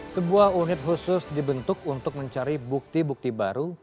sebuah unit khusus dibentuk untuk mencari bukti bukti baru